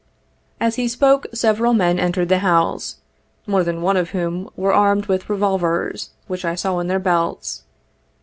As he spoke, several men entered the house, more than one of whom were armed with revolvers, which I saw in their belts.